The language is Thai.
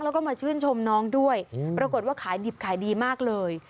แล้วก็มาชื่นชมน้องด้วยปรากฏว่าขายดิบขายดีมากเลย